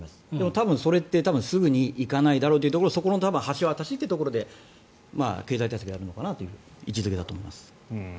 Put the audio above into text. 多分、それってすぐにいかないだろうというそこの橋渡しというところで経済対策をやるのかなという位置付けだと思います。